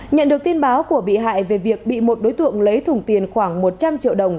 nhận được tin báo của bị hại về việc bị một đối tượng lấy thùng tiền khoảng một trăm linh triệu đồng